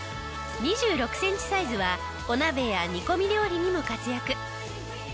２６センチサイズはお鍋や煮込み料理にも活躍。